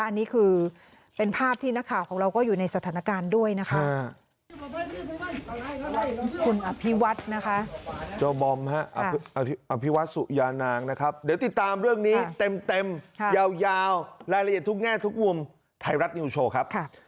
อันนี้คือเป็นภาพที่นักข่าวของเราก็อยู่ในสถานการณ์ด้วยนะคะ